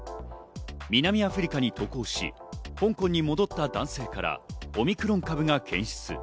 南アフリカに渡航し、香港に戻った男性からオミクロン株が検出。